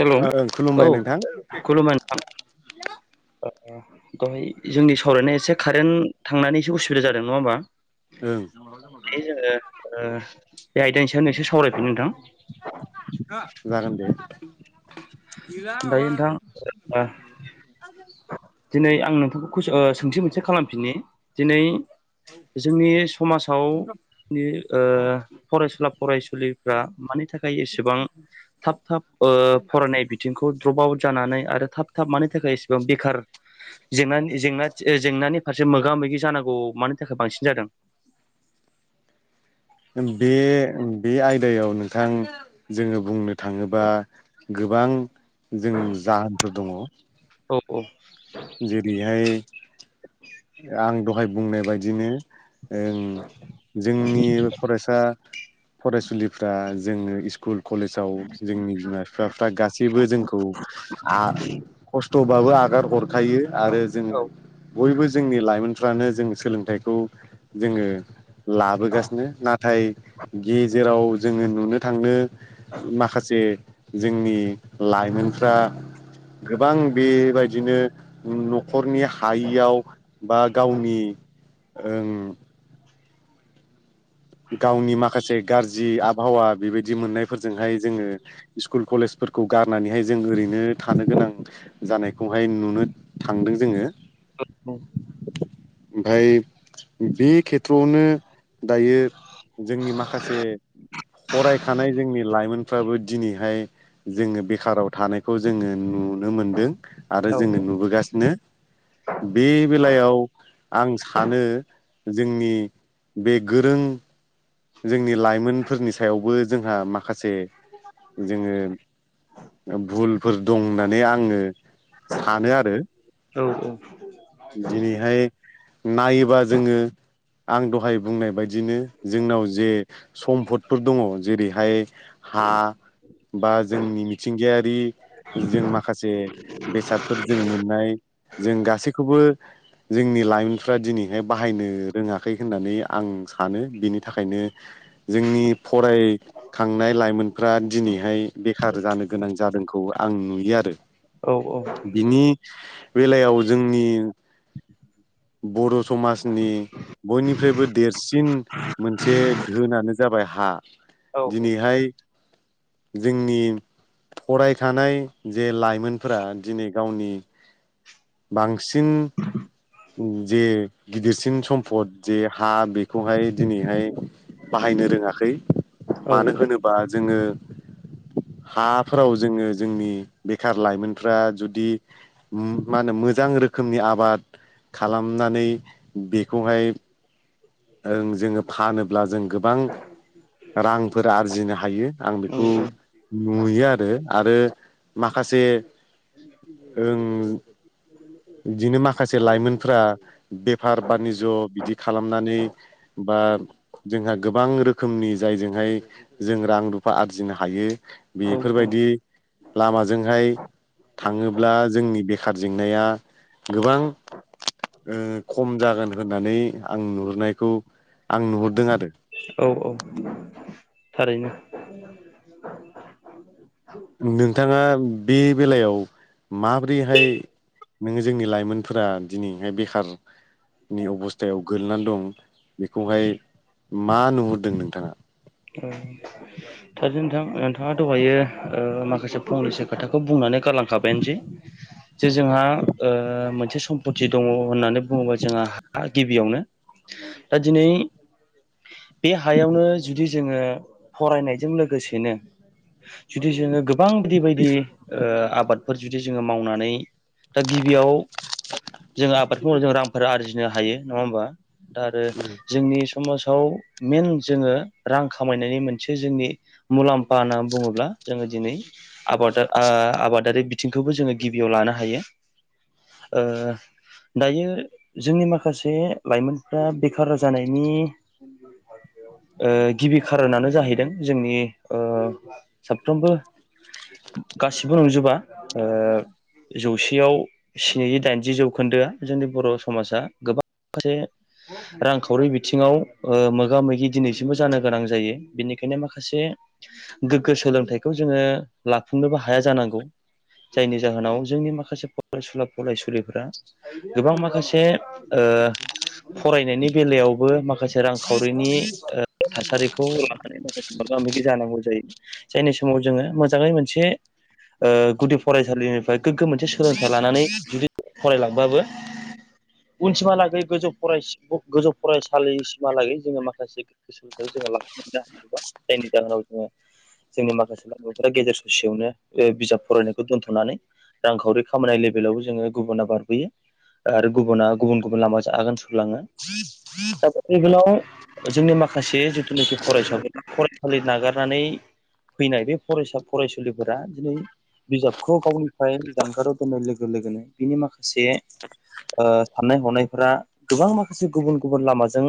हेल' ओं औ खुलुमबाय नोंथां खुलुमबाय नोंथां औ दहाय जोंनि सावरायनाया एसे कारेन्ट थांनानै एसे उसुबिदा जादों नङा होमबा। ओं दायो जोङो ओ बे आयदानि सायाव नोंसोर सावरायफिनि नोंथां। जागोन दे गैला दायो माबा नोंथां ओ [unintelligible] दिनै आं नोंथांखौ ओ सों सोंथि मोनसे खालामफिननि दिनै जोंनि समाजाव नि फरायसुला फरायसुलिफ्रा मानि थाखाय एसेबां थाब थाब ओ फरायनाय बि खौ द्रप आउट जानानै आरो थाब थाब मानि थाखाय एसेबां बेखार जेंनानि जेंना जेंनानि फारसे मोगा मोगि जानांगौ मानि थाखाय बांसिन जादों। बे बे आयदायाव नोंथां जोङो बुंनो थाङोबा गोबां जों जाहोनफोर दङ। औ औ जेरैहाय आं दहाय बुंनाय बायदिनो ओं जोंनि फरायसा फरायसुलिफ्रा जोङो स्कुल कलेजाव जोंनि बिमा बिफाफ्रा गासैबो जोंखौ आं खस्थ' बाबो आगार हरखायो आरो जोङो औ बयबो जोंनि लाइमोनफ्रानो जों सोलोंथाइखौ जोङो लाबोगासिनो नाथाय गेजेराव जोङो नुनो थाङो माखासे जोंनि लाइमोनफ्रा गोबां बेबायदिनो न'खरनि हायियाव बा गावनि ओं गावनि माखासे गाज्रि आबहावा बेबायदि मोननायफोरजोंहाय जोङो स्कुल कलेजफोरखौ गारनानैहाय जों ओरैनो थानो गोनां जानायखौहाय नुनो थांदों जोङो। औ ओमफाय बे खेथ्रआवनो दायो जोंनि माखासे फरायखानाय जोंनि लाइ लाइमोनफ्राबो दिनैहाय जोङो बेखाराव थानायखौ जोङो नु नो मोनदों आरो जोङो नुबोगासिनो। बे बेलायाव आं सानो जोंनि बे गोरों जोंनि लाइमोनफोरनि सायावबो जोंहा माखासे जोङो [inaudible] भुलफोर दं होननानै आङो सानो आरो औ औ दिनैहाय नायोबा जोङो आं दहाय बुंनाय बायदि बिदिनो जोंनाव जे सम्फदफोर दङ जेरैहाय हा बा जोंनि मिथिंगायारि जों माखासे बेसादफोर जों मोननाय जों गासैखौबो जोंनि लाइमोनफ्रा दिनैहाय बाहायनो रोङाखै होननानै आं सानो बिनि थाखायनो [inaudible] जोंनि फरायखांनाय लाइमोनफ्रा दिनैहाय बेखार जानो गोनां जादोंखौ आं नुयो आरो। औ औ बिनि बेलायाव जोंनि बर' समाजनि बयनिफ्रायबो देरसिन मोनसे धोनानो जाबाय हा दिनैहाय जोंनि फरायखानाय जे लाइमोनफोरा दिनै गावनि बांसिन जे गिदिरसिन सम्फद जे हा बेखौहाय दिनैहाय बाहायनो रोङाखै मानो होनोब्ला बा जोङो हाफोराव जोङो जोंनि बेखार लाइमोनफ्रा जुदि मा होनो मोजां रोखोमनि आबाद खालामनानै बेखौहाय ओ जोङो फानोब्ला जों गोबां रांफोर आरजिनो हायो आं बेखौ नुयो आरो आरो माखासे ओं बिदिनो माखासे लाइमोनफ्रा बेफार बानिज्य बिदि खालामनानै बा जोंहा गोबां रोखोमनि जायजोंहाय जों रां रुफा आरजिनो हायो औ बेफोरबायदि लामाजोंहाय थाङोब्ला जोंनि बे बेखार जेंनाया गोबां खम जागोन होननानै आं नुहुरनायखौ आं नुहुरदों आरो औ औ थारैनो [inaudible] नोंथाङा बे बेलायाव माबोरैहाय नोङो जोंनि लाइमोनफोरा दिनैहाय बेखार नि अबस्थायाव गोग्लैनानै दं बेखौहाय मा नुहुरदों नोंथाङा औ थारैनो नोंथां नोंथाङा दहायो माखासे फंनैसो खोथाखौ बुंनानै गालांखाबायानोसै जे जोंहा मोनसे सम समपति दङ होननानै बुङोबा जोंहा गिबियावनो दा दिनै बे हायावनो जुदि जोङो फरायनायजों लोगोसेनो जुदि जोङो गोबां बेबायदि ओ आबाद फोर जुदि जोङो मावनानै दा गिबियाव जों आबादखौ माव जों रां फोर आरजिनो हायो नङा होमबा दा आरो जोंनि समाज आव मेन जोङो रां खामायनायनि मोनसे जोंनि मुलाम्फा होननानै बुङोब्ला जोङो दिनै आबाद आबादारि बिथिंखौबो जोङो गिबियाव लानो हायो दायो जोंनि माखासे लाइमोनफ्रा बेखार जानायनि [unintelligible] गिबि खारनानो जाहैदों जोंनि साफ्रोमबो गासिबो नंजोबा जौसेयाव स्निजि दाइनजि जौखोन्दोआ जोंनि बर' समाजा गोबां माने रांखावरि बिथिङाव मोगा मोगि दिनैसिमबो जानो गोनां जायो बेनिखायनो माखासे गोग्गो सोलोंथाइखौ जोङो लाफुंनोबो हाया जानांगौ जायनि जाहोनाव जोंनि माखासे फरायसुला फरायसुलिफोरा गोबां माखासे फरायनायनि बेलायावबो माखासे रांखावरिनि थासारिखौ लानानै माखासे मोगा मोगि जानांगौ जायो जायनि समाव जोङो मोजाङै मोनसे गुदि फरायसालिनिफ्राय गोग्गो मोनसे सोलोंथाइ लानानै जुदि फरायलांबाबो उनसिमहालागै गोजौ फराय गोजौ फरायसालि हालागै जोङो माखासे [unintelligible] जोङो लाखिनोबो हायो जायनि जाहोनाव जोङो जोंनि माखासे लाइमोनफोरा गेजेर ससेयावनो बिजाब फरायनायखौ दोन्थ'नानै रांखावरि खामायनाय लेभेलावबो जोङो गुबुना बारबोयो आरो गुबुना गुबुन गुबुन लामाजों आगान सुरलाङो [inaudible] दा बे लेभेलाव जोंनि माखासे जिथुनाखि फरायसा फरायसालि नागारनानै फैनाय बे फरायसा फरायसुलिफोरा दिनै बिजाबखौ गावनिफ्राय जानगाराव दोननाय लोगो लोगोनो बिनि माखासे साननाय हनायफोरा गोबां माखासे गुबुन गुबुन लामाजों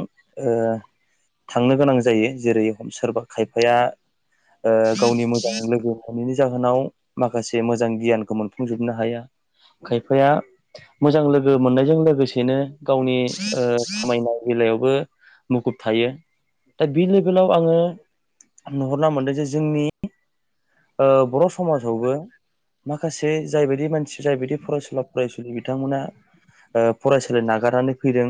थांनो गोनां जायो जेरै सोरबा खायफाया गावनि मोजां लोगो मोनैनि जाहोनाव माखासे मोजां गियानखौ मोनफुंजोबनो हाया खायफाया मोजां लोगो मोननायजों लोगोसेनो गावनि खामायनाय बेलायावबो मुखुब थायो दा बे लेभेलाव आङो नुहरना मोनदों जे जोंनि बर' समाजावबो माखासे जायबायदि मानसि जायबायदि फरायसुला फरायसुलि बिथांमोना ओ फरायसालि नागारनानै फैदों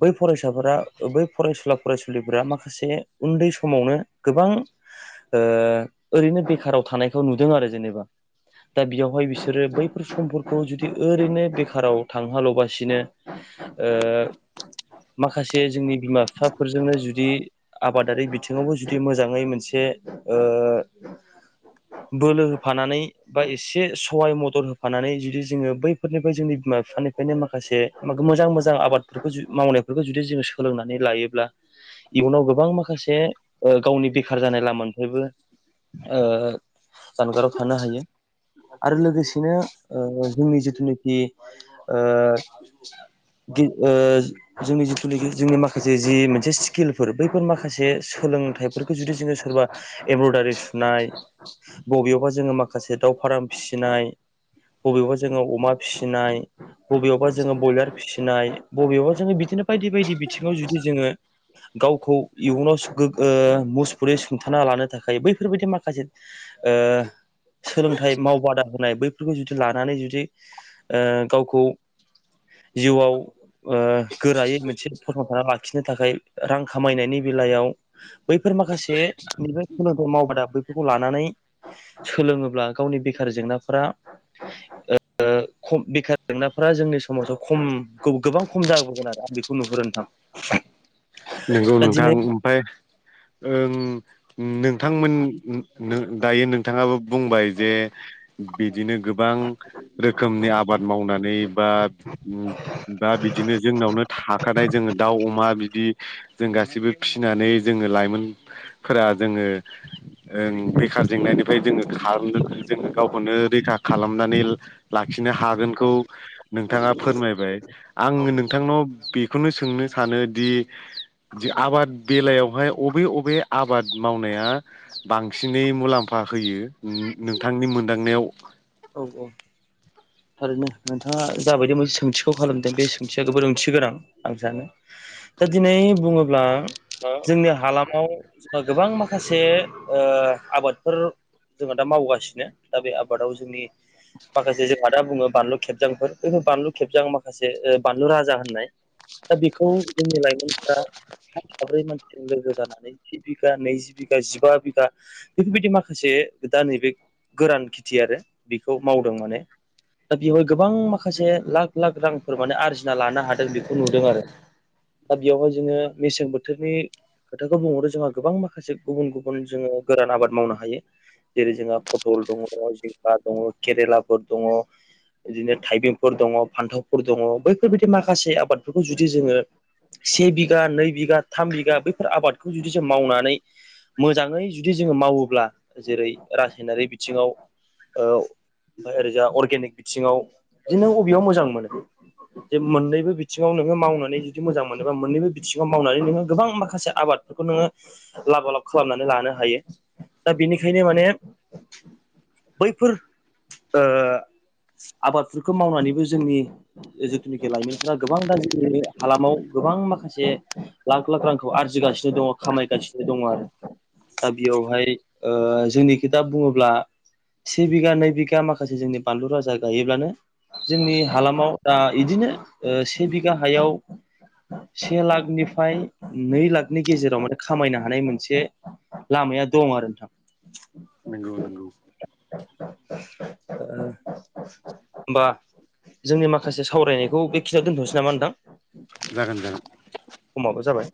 ओ बै फरायसाफोरा बै फरायसुला-फरायसुलिफोरा माखासे उन्दै समावनो गोबां ओ ओरैनो बेखाराव थानायखौ नुदों आरो जेनेबा दा बेयावहाय बिसोरो बैफोर समफोरखौ जुदि ओरैनो बेखाराव थांहोआल'बासिनो ओ माखासे जोंनि बिमा-फिफाफोरजोंनो जुदि आबादारि बिथिङावबो जुदि मोजाङै मोनसे ओ बोलो होफानानै बा एसे सहाय मदद होफानानै जुदि जोङो बैफोरनिफाय जोंनि बिमा बिफानिफायनो माखासे मोजां मोजां आबादफोरखौ जु मावनायफोरखौ जुदि जो सोलोंनानै लायोब्ला इयुनावबो गोबां माखासे ओ गावनि बेखार जानाय लामानिफ्रायबो ओ जानगाराव थानो हायो आरो लोगोसेनो ओ जोंनि जिथुनोखि ओ गि ओ जोंनि जिखुनिखि जोंनि माखासे जि मोनसे स्किलफोर बैफोर माखासे सोलोंथाइफोरखौ जुदि जोङो सोरबा एमब्रदारि सुनाय बबेयावबा जोङो माखासे दाव फाराम फिसिनाय बबेयावबा जोङो अमा फिसिनाय, बबेयावबा जोङो बयलार फिसिनाय बबेयावबा जोङो बिदिनो बायदि बायदि बिथिङाव जुदि जोङो गावखौ इयुनाव गोग ओ मुसफुरै सुंथाना लानो थाखाय बैफोरबायदि माखासे ओ सोलोंथाइ मावबादा होनाय बैफोरखौ जुदि लानानै जुदि ओ गावखौ जिउआव ओ गोरायै मोनसे फसंथाना लाखिनो थाखाय रां खामायनायनि बेलायाव बैफोर माखासे जे [unintelligible] मावबादा खौ लानानै सोलोङोब्ला गावनि बेखार जेंनाफोरा ओ खम बेखार जेंनाफ्रा जोंनि समाजाव ख'म गोबां ख'म जाबोगोन आरो आं बेखौ नुहुरो नोंथां नोंगौ दा नोंथां दिनै ओमफाय ओं नोंथांमोन नो दायो नोंथाङाबो बुंबाय जे बिदिनो गोबां रोखोमनि आबाद मावनानै बा बा बिदिनो जोंनावनो थाखानाय जोङो दाउ, अमा बिदि जों गासैबो फिसिनानै जोङो लाइमोनफोरा जोङो ओं बै खार जेंनायनिफ्राय जोङो खार जोङो गावखौनो रैखा खालामनानै लाखिनो हागोनखौ नोंथाङा फोरमायबाय आं औ नोंथांनाव बि खौनो सोंनो सानो दि आबाद बेलायावहाय अबे अबे आबाद मावनाया बांसिन दि मुलाम्फा होयो नोंथांनि मोनदांनायाव औ औ थारैनो नोंथाङा जाबायदि मोनसे सोंथिखौ खालामदों बे सोंथिया जोबोर ओथि गोनां आं सानो दा दिनै बुङोब्ला जोंनि हालामाव जोहा गोबां माखासे ओ आबादफोर जोङा दा मावगासिनो दा बे आबादाव जोंनि माखासे जोंहा दा बुङो बानलु खेबजांफोर बैफोर बानलु खेबजां माखासे ओ बानलु राजा होननाय दा बिखौ जोंनि लाइमोनफ्रा साथाम साब्रै मानसिजों लोगो जानानै जि बिघा, नैजि बिघा, जिबा बिघा बेफोरबायदि माखासे दा नैबे गोरान खेथि आरो बेखौ मावदों माने दा बेवहाय गोबां माखासे लाख लाख रांफोर माने आरजिना लानो हादों बेखौ नुदों आरो दा बेयावहाय जोङो मेसें बोथोरनि खोथाखौ बुंहरो जोंहा गोबां माखासे गुबुन गुबुन जोङो गोरान आबाद मावनो हायो जेरै जोंहा पटल दङ', जिंखा दङ', केरेलाफोर दङ' बिदिनो थाइबेंफोर दङ', फान्थावफोर दङ बैफोरबायदि माखासे आबादफोरखौ जुदि जोङो से बिघा नै बिघा थाम बिगा बैफोर आबादखौ जुदि जों मावनानै मोजाङै जुदि जोङो मावोब्ला जेरै रासायनारि बिथिङाव ओ ओरैजा अरगेनिक बिथिङाव बिदिनो बबेयाव मोजां मोनो जे मोननैबो बिथिङाव नोङो मावनानै जुदि मोजां मोनोबा मोननैबो बिथिङाव मावनानै नोङो गोबां माखासे आबाद खौ नोङो लाबा लाब खालामनानै लानो हायो दा बिनिखायनो माने बैफोर ओ आबादफोरखौ मावनानैबो जोंनि जिथुनाखि लाइमोनफोरा गोबां दा जोंनि हालामाव गोबां माखासे लाख लाख रांखौ आरजिगासिनो दङ खामायगासिनो दङ आरो दा बेयावहाय ओ जोंनिखै दा बुङोब्ला से बिघा नै बि घा माखासे जोंनि बानलु राजा गायोब्लानो जोंनि हालामाव दा इदिनो ओ से बिगा हायाव से लाखनिफ्राय नै लाखनि गेजेराव माने खामायनो हानाय मोनसे लामाया दं आरो नोंगौ नोंगौ [inaudible] होमबा जोंनि माखासे सावरायनायखौ बेखिनियाव दोनथ'नोसै नामा नोंथां जागोन जागोन समाबो जाबाय